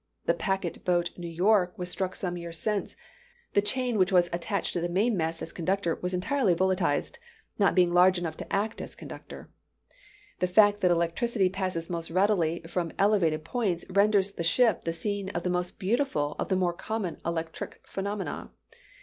The packet boat New York, was struck some years since: the chain which was attached to the mainmast as conductor was entirely volatilized, not being large enough to act as conductor. The fact that electricity passes most readily from elevated points, renders the ship the scene of the most beautiful of the more common electric phenomena.